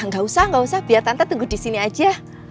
gausah gausah biar tante tunggu disini aja